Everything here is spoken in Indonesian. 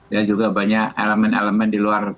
ya juga banyak elemen elemen di luar